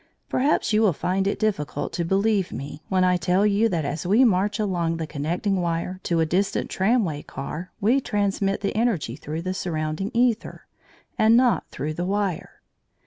Perhaps you will find it difficult to believe me when I tell you that as we march along the connecting wire to a distant tramway car we transmit the energy through the surrounding æther, and not through the wire.